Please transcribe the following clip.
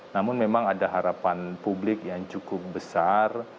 namun memang ada harapan publik yang cukup besar